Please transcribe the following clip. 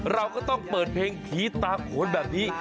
เราก็ต้องเปิดเพลงผีตามโขนแบบนี้